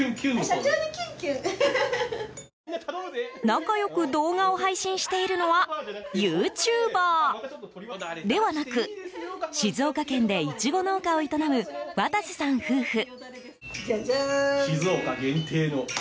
仲良く動画を配信しているのはユーチューバーではなく静岡県でイチゴ農家を営む渡瀬さん夫婦。